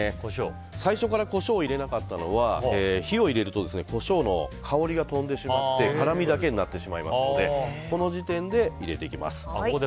最初からコショウを入れなかったのは火を入れるとコショウの香りが飛んでしまって辛みだけになってしまいますのでこの時点で入れていきます。